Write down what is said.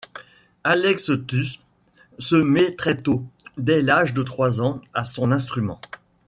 Alex Theus se met très tôt, dès l'âge de trois ans, à son instrument.